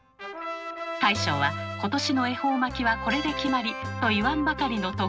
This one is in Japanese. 大将は今年の恵方巻はこれで決まりと言わんばかりの得意顔。